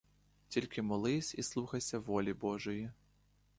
Тільки молись і слухайся волі божої.